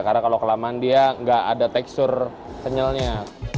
karena kalau kelamaan dia tidak ada tekstur kenyalnya